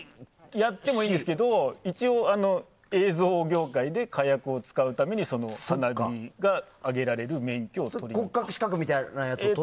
やってもいいんですけど一応、映像業界で火薬を使うために花火が上げられる国家資格ですか？